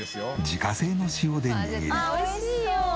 自家製の塩で握り。